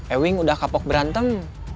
ewing udah kapok berantem